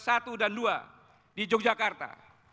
i dan ii di yogyakarta